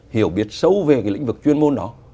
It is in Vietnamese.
hiểu biết sâu về cái lĩnh vực chuyên môn đó